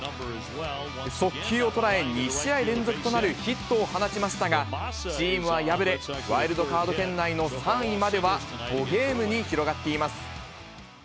速球を捉え、２試合連続となるヒットを放ちましたが、チームは敗れ、ワイルドカード圏内の３位までは５ゲームに広がっています。